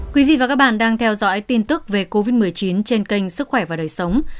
các bạn đang theo dõi tin tức về covid một mươi chín trên kênh sức khỏe và đời sống